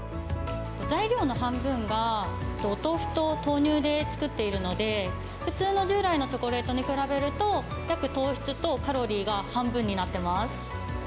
材料の半分がお豆腐と豆乳で作っているので、普通の従来のチョコレートに比べると、約糖質とカロリーが半分になってます。